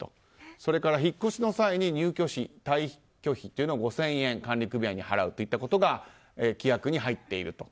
それから引っ越しの際に入居費・退去費を５０００円管理組合に払うことが規約に入っていると。